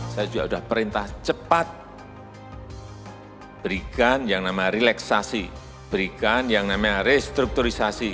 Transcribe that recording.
saya juga sudah perintah cepat berikan yang namanya relaksasi berikan yang namanya restrukturisasi